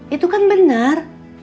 itu kan benar